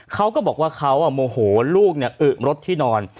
เขาก็บอกว่าเขาโมโหลูกอึรถที่นอน